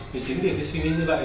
vì chính vì cái suy nghĩ như vậy